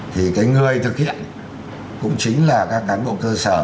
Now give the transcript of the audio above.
thì cái người thực hiện cũng chính là các cán bộ cơ sở